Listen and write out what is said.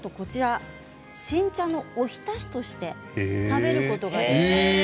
新茶のお浸しとして食べることができます。